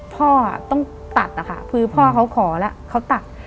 พ่อต้องตัดนะคะคือพ่อเขาขอแล้วเขาตัด